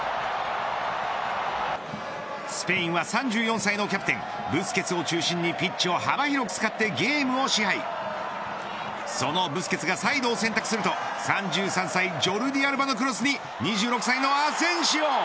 スペインは３４歳のキャプテンブスケツを中心にピッチを幅広く使ってゲームを支配そのブスケツがサイドを選択すると３３歳ジョルディ・アルバのクロスに２６歳のアセンシオ。